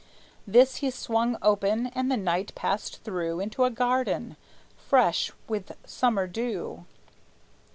This he swung open; and the knight passed through Into a garden, fresh with summer dew!